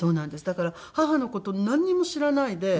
だから母の事なんにも知らないで。